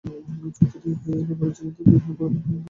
চুক্তিটি এখনো আন্তর্জাতিক বিমান পরিবহন নিয়ন্ত্রণ করে থাকে।